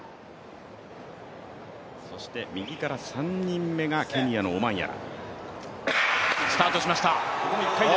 そして右から３人目がケニアのオマンヤラ。